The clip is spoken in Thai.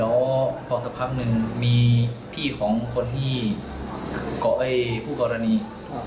แล้วก็พอสภาพหนึ่งมีพี่ของคนที่ของเอ้ยคู่กรณี